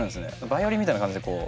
バイオリンみたいな感じでこう。